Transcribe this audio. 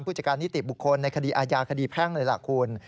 ผู้จัดการนิติบุคคลในคดีอาญาคดีแพ่งเลยล่ะคุณ